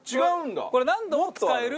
これ何度も使える。